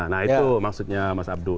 nah itu maksudnya mas abdul